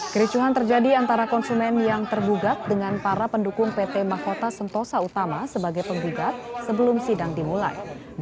kericuhan terjadi antara konsumen yang tergugat dengan para pendukung pt mahkota sentosa utama sebagai penggugat sebelum sidang dimulai